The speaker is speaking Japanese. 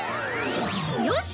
よし！